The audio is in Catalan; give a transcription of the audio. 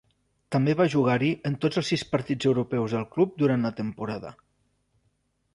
També va jugar-hi en tots els sis partits europeus del club durant la temporada.